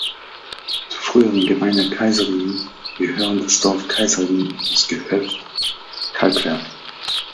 Zur früheren Gemeinde Kaiseringen gehören das Dorf Kaiseringen und das Gehöft Kalkwerk.